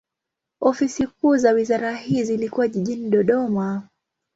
Ofisi kuu za wizara hii zilikuwa jijini Dodoma.